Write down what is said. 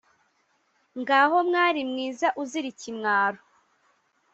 Ngaho mwari mwiza uzira ikimwaro